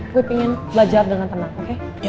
gue pengen belajar dengan tenang oke